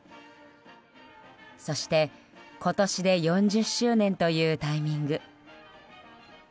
そして、今年で４０周年というタイミング。